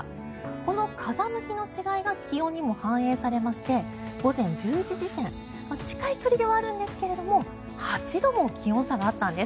この風向きの違いが気温にも反映されまして午前１０時点近い距離ではあるんですが８度も気温差があったんです。